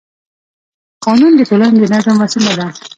قانون د ټولنې د نظم وسیله ده